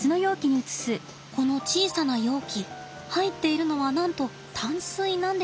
この小さな容器入っているのはなんと淡水なんですって。